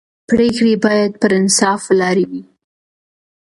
پرېکړې باید پر انصاف ولاړې وي